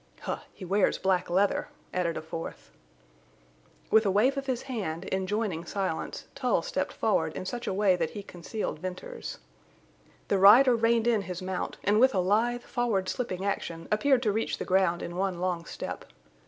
"Huh! he wears black leather," added a fourth. With a wave of his hand, enjoining silence, Tull stepped forward in such a way that he concealed Venters. The rider reined in his mount, and with a lithe forward slipping action appeared to reach the ground in one long step.